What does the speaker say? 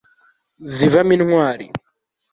zivamo intwari